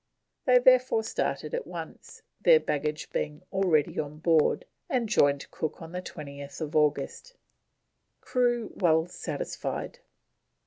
They therefore started at once, their baggage being already on board, and joined Cook on 20th August. CREW WELL SATISFIED.